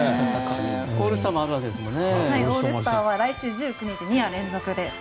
オールスターもあるわけですからね。